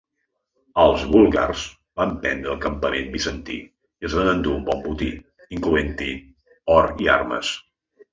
Els búlgars van prendre el campament bizantí i es van endur un bon botí, incloent-hi or i armes.